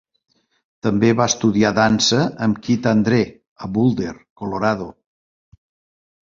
També va estudiar dansa amb Kit Andree a Boulder, Colorado.